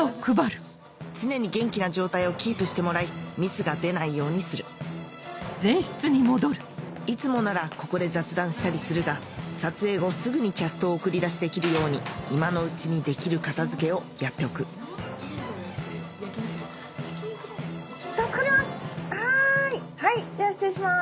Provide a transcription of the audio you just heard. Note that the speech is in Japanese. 常に元気な状態をキープしてもらいミスが出ないようにするいつもならここで雑談したりするが撮影後すぐにキャストを送り出しできるように今のうちにできる片付けをやっておく助かります